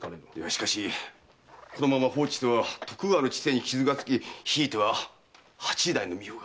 しかしこのまま放置しては徳川の治政に傷がつきひいては八代の御代が。